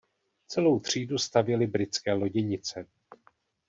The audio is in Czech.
Celou třídu stavěly britské loděnice.